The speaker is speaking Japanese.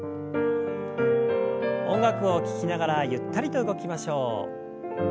音楽を聞きながらゆったりと動きましょう。